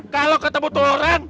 kalau ketemu tuh orang